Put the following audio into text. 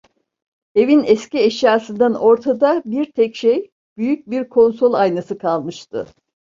Evin eski eşyasından ortada bir tek şey: Büyük bir konsol aynası kalmıştı.